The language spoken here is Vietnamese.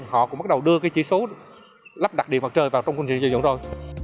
họ cũng bắt đầu đưa cái chỉ số lắp đặt điện mặt trời vào trong công trình xây dựng rồi